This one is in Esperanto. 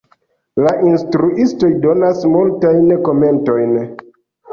La instruistoj donas multajn komentojn.